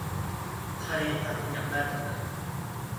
ไทยอาจจะอยากได้แบบนั้น